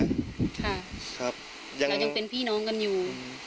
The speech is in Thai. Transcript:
เรายังเป็นพี่น้องกันอยู่